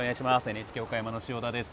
ＮＨＫ岡山の塩田です。